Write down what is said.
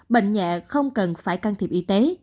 bệnh nhẹ không cần phải can thiệp y tế